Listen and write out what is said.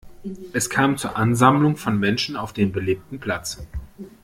Es kam zur Ansammlung von Menschen auf dem belebten Platz.